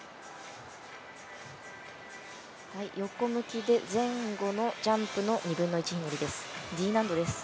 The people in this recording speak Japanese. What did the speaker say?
横向きで前後のジャンプの２分の１ひねりです、Ｄ難度です。